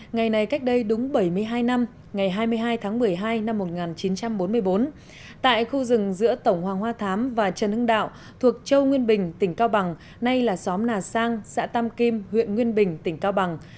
ngày này cách đây đúng bảy mươi hai năm ngày hai mươi hai tháng một mươi hai năm một nghìn chín trăm bốn mươi bốn tại khu rừng giữa tổng hoàng hoa thám và trần hưng đạo thuộc châu nguyên bình tỉnh cao bằng nay là xóm nà sang xã tam kim huyện nguyên bình tỉnh cao bằng